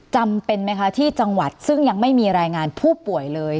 จำเป็นไหมคะที่จังหวัดซึ่งยังไม่มีรายงานผู้ป่วยเลย